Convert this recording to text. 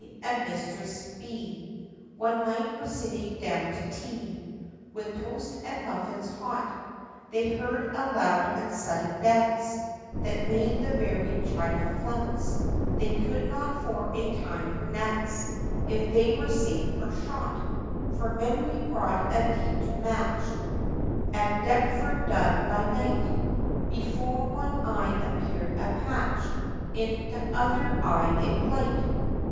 and Mistress B. One night were sitting down to tea, With toast and muffins hot They heard a loud and sudden bounce, That made the very china flounce, They could not for a time pronounce If they were safe or shot For Memory brought a deed to match At Deptford done by night Before one eye appeared a Patch, In t'other eye a Blight!